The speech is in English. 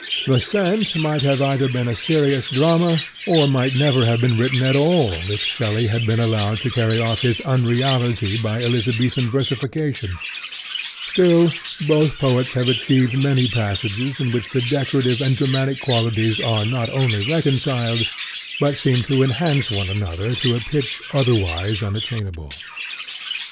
The Cent might either have been a serious drama or might never have been written at all if Shelley had not been allowed to carry off its unreality by Elizabethan versification. Still, both poets have achieved many passages in which the decorative and dramatic qualities are not only reconciled, but seem to enhance one another to a pitch otherwise unattainable.